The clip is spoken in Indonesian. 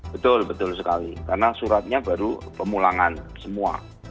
betul betul sekali karena suratnya baru pemulangan semua